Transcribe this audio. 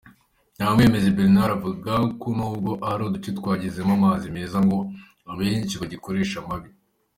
Ntamwemezi Bernard avuga ko nubwo ahari uduce twagezemo amazi meza ngo abenshi bagikoresha amabi.